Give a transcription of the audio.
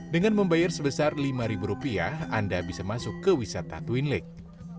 dengan membayar sebesar lima rupiah anda bisa masuk ke wisata twin lagu